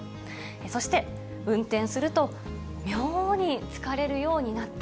そして、運転すると妙に疲れるようになった。